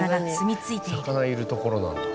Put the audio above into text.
魚いるところなんだ。